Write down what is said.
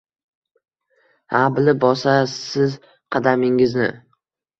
Ha, bilib bosasizqadamingizni!